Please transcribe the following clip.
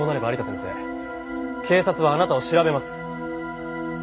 警察はあなたを調べます。